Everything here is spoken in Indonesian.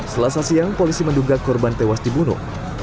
selasa siang polisi menduga korban tewas dibunuh